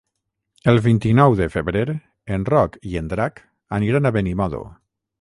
El vint-i-nou de febrer en Roc i en Drac aniran a Benimodo.